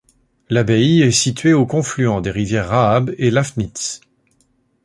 L'abbaye est située au confluent des rivières Raab et Lafnitz.